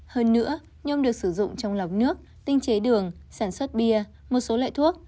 hơn nữa nhôm được sử dụng trong lọc nước tinh chế đường sản xuất bia một số loại thuốc